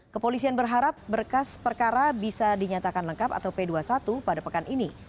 kepolisian berharap berkas perkara bisa dinyatakan lengkap atau p dua puluh satu pada pekan ini